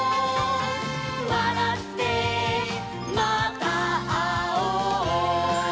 「わらってまたあおう」